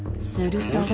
すると。